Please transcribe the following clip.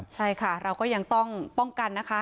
เท่าเช่นเลยครับใช่ค่ะเราก็ยังต้องป้องกันนะคะ